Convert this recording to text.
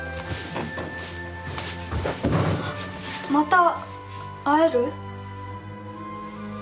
また会える？